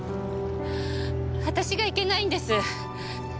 私がいけないんです。